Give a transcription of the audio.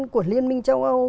của liên minh châu âu